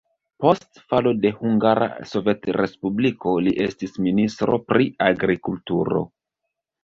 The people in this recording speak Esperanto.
Post falo de Hungara Sovetrespubliko li estis ministro pri agrikulturo.